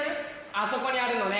あそこにあるのね？